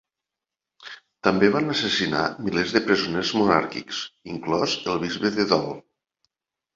També van assassinar milers de presoners monàrquics, inclòs el bisbe de Dol.